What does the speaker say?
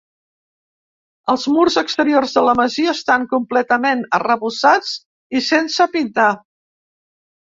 Els murs exteriors de la masia estan completament arrebossats i sense pintar.